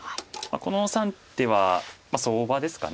この３手は相場ですか。